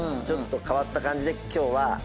ちょっと変わった感じで今日は。